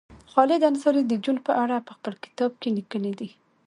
خالد انصاري د جون په اړه په خپل کتاب کې لیکلي دي